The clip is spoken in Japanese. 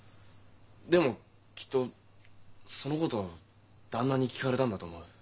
でもきっとそのことを旦那に聞かれたんだと思う。